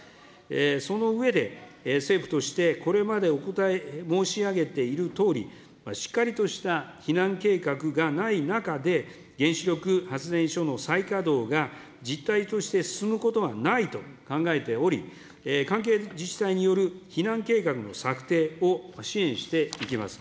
その上で、政府としてこれまでお答え申し上げているとおり、しっかりとした避難計画がない中で、原子力発電所の再稼働が実態として進むことはないと考えており、関係自治体による避難計画の策定を支援していきます。